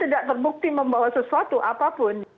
tapi dia tidak terbukti membawa sesuatu apapun